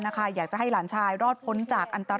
อยากจะให้หลานชายรอดพ้นจากอันตราย